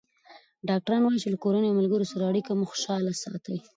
ډاکټران وايي له کورنۍ او ملګرو سره اړیکه مو خوشحاله ساتي.